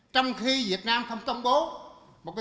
trong khi việt nam không công bố một tiêu chữ nào về cái chất này cả